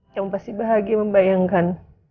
kamu pasti bahagia membayangkan